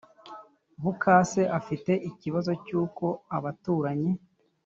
Busake Afite ikibazo cy uko abaturanyi